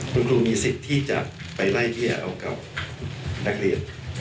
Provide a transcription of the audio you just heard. คุณครูมีสิทธิ์ที่จะไปไล่เลี่ยเอากับนักเรียน